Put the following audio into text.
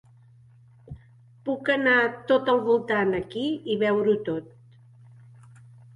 Puc anar tot al voltant aquí i veure-ho tot.